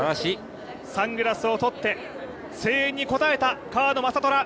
サングラスを取って声援に応えた川野将虎。